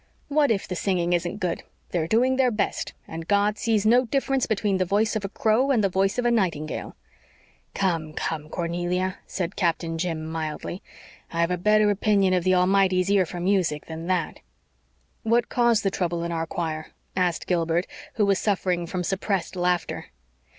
"What if the singing isn't good? They're doing their best, and God sees no difference between the voice of a crow and the voice of a nightingale." "Come, come, Cornelia," said Captain Jim mildly, "I've a better opinion of the Almighty's ear for music than THAT." "What caused the trouble in our choir?" asked Gilbert, who was suffering from suppressed laughter.